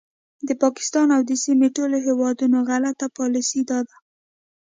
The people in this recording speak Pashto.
د پاکستان او د سیمې ټولو هیوادونو غلطه پالیسي دا ده